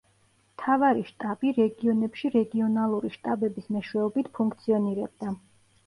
მთავარი შტაბი რეგიონებში რეგიონალური შტაბების მეშვეობით ფუნქციონირებდა.